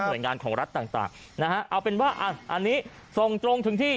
โดยงานของรัฐต่างนะฮะเอาเป็นว่าอ่ะอันนี้ส่งตรงถึงที่